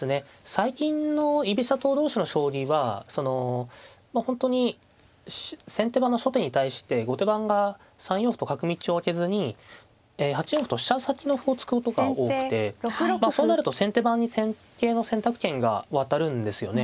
最近の居飛車党同士の将棋はその本当に先手番の初手に対して後手番が３四歩と角道を開けずに８四歩と飛車先の歩を突くことが多くてそうなると先手番に戦型の選択権が渡るんですよね。